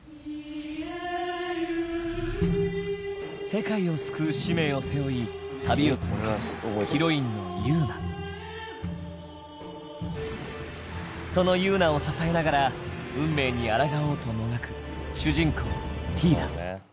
世界を救う使命を背負い旅を続ける、ヒロインのユウナそのユウナを支えながら運命にあらがおうともがく主人公、ティーダ